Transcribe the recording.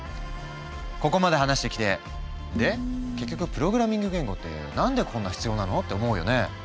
ここまで話してきてで結局プログラミング言語って何でこんな必要なの？って思うよね。